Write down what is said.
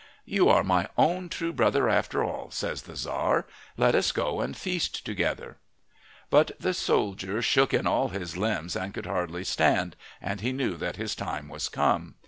"You are my own true brother after all," says the Tzar. "Let us go and feast together." But the soldier shook in all his limbs and could hardly stand, and he knew that his time was come.